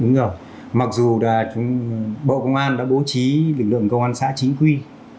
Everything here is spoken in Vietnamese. đúng rồi mặc dù bộ công an đã bố trí lực lượng công an xã chính quy